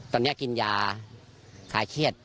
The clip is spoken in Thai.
ตอนนี้กินยาคลายเครียด